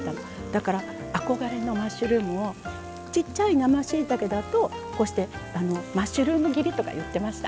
だから憧れのマッシュルームをちっちゃい生しいたけだとこうしてマッシュルーム切りとか言ってました。